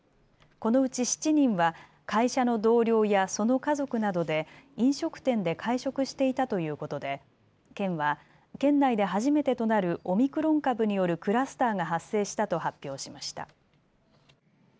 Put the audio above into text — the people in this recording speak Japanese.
このうち７人は会社の同僚やその家族などで飲食店で会食していたということで県は、県内で初めてとなるオミクロン株によるクラスターが発生したと発表しました。